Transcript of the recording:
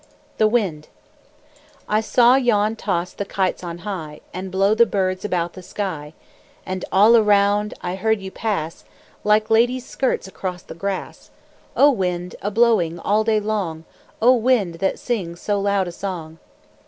THE WIND I saw yon toss the kites on high And blow the birds about the sky; And all around I heard you pass, Like ladies' skirts across the grass O wind, a blowing all day long! O wind, that sings so loud a song!